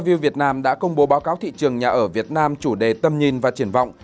view việt nam đã công bố báo cáo thị trường nhà ở việt nam chủ đề tâm nhìn và triển vọng